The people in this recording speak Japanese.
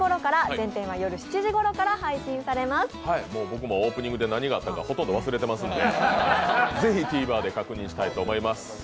僕もオープニングで何があったかほとんど忘れてますので、是非ＴＶｅｒで確認したいと思います。